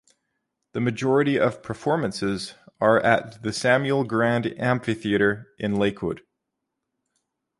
The majority of performances are at the Samuel-Grand Amphitheatre in Lakewood.